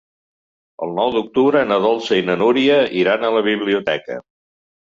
El nou d'octubre na Dolça i na Núria iran a la biblioteca.